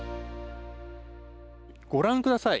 ご覧ください。